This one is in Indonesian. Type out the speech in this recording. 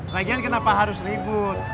lagian kenapa harus ribut